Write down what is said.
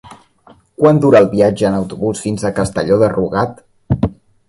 Quant dura el viatge en autobús fins a Castelló de Rugat?